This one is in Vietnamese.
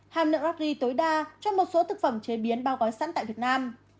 hàm nặng nắc ri tối đa cho một số thực phẩm chế biến bao gói sẵn tại việt nam